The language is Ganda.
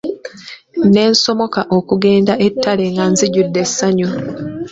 Ne nsomoka okugenda ettale nga nzijudde essanyu